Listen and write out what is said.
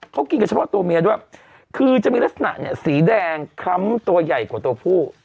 เขากินกันเฉพาะตัวเมียด้วยคือจะมีลักษณะเนี่ยสีแดงคล้ำตัวใหญ่กว่าตัวผู้